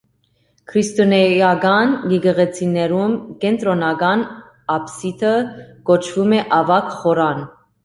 Քրիստոնեական եկեղեցիներում կենտրոնական աբսիդը կոչվում է ավագ խորան։